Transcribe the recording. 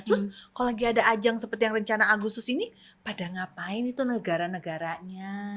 terus kalau lagi ada ajang seperti yang rencana agustus ini pada ngapain itu negara negaranya